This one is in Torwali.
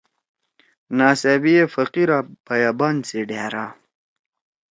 ناڅابی اے فقیر آپ بیابان سی ڈھأرا